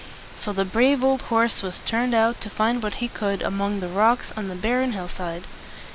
So the brave old horse was turned out to find what he could among the rocks on the barren hill side.